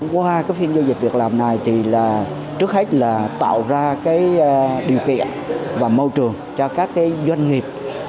qua phiên giao dịch việc làm này thì trước hết là tạo ra điều kiện và môi trường cho các doanh nghiệp